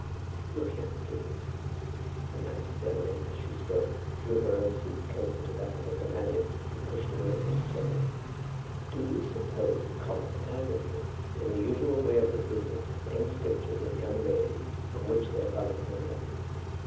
"Look here, Mr. Eames. " And now Miss Demolines, as she spoke, drew her own seat closer to that of her companion and pushed away the little table. "Do you suppose that Conway Dalrymple, in the usual way of his business, paints pictures of young ladies, of which their mothers know nothing?